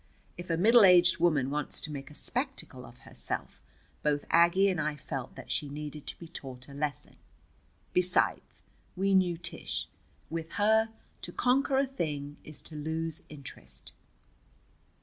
If a middle aged woman wants to make a spectacle of herself, both Aggie and I felt that she needed to be taught a lesson. Besides, we knew Tish. With her, to conquer a thing is to lose interest.